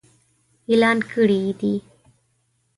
اعلان کړي يې دي.